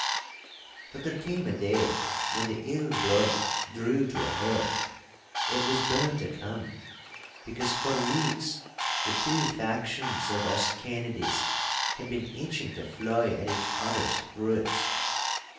But there came a day when the ill blood drew to a head. It was bound to come, because for weeks the two factions of us Kennedies had been itching to fly at each other's throats.